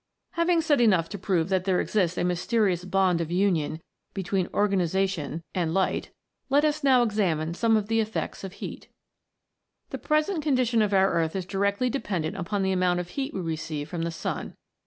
Having said enough to prove that there exists a mysterious bond of union between organization H 98 THE MAGIC OF THE SUNBEAM. and light, let us now examine some of the effects of heat. The present condition of our earth is directly dependent upon the amount of heat we receive from the sun.